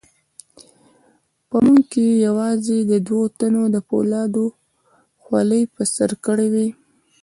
په موږ کې یوازې دوو تنو د فولادو خولۍ په سر کړې وې.